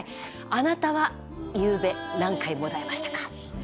あなたはゆうべもだえましたか。